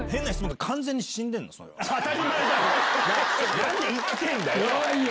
何で生きてんだよ